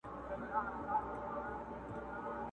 نه له ډوله آواز راغی نه سندره په مرلۍ کي!!